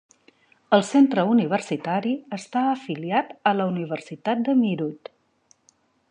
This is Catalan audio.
El centre universitari està afiliat a la Universitat de Meerut.